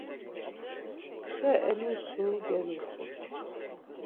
Xe elusu, gelusu.